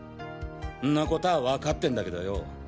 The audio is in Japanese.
んなこたァ分かってんだけどよ